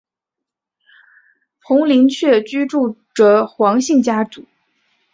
宏琳厝居住着黄姓家族。